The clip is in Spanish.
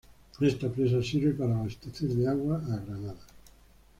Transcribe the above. Esta presa sirve para abastecer de agua a Granada.